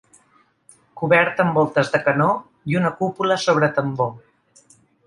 Coberta amb voltes de canó i una cúpula sobre tambor.